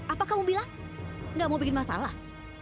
apa kamu bilang gak mau bikin masalah